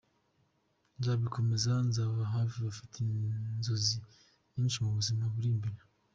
Nzabikomeza, nzababa hafi bafite inzozi nyinshi mu buzima buri imbere.